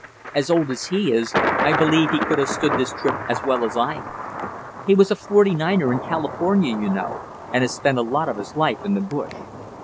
As old as he is, I believe he could have stood this trip as well as I have. He was a forty niner in California, you know, and has spent a lot of his life in the bush."